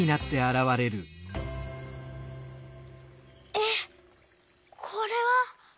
えっこれは。